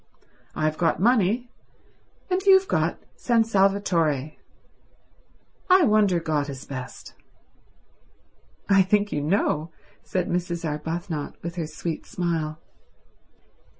I've got money, and you've got San Salvatore. I wonder which is best." "I think you know," said Mrs. Arbuthnot with her sweet smile.